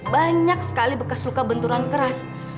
banyak sekali bekas luka benturan keras